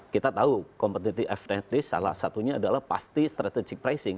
kita tahu competitive afters salah satunya adalah pasti strategic pricing